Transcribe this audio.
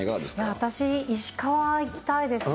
私、石川行きたいですね。